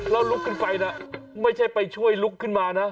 แล้วลุกขึ้นไปนะไม่ใช่ไปช่วยลุกขึ้นมานะ